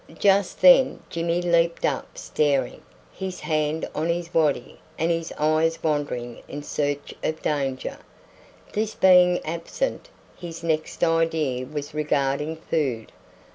Just then Jimmy leaped up staring, his hand on his waddy and his eyes wandering in search of danger. This being absent, his next idea was regarding food.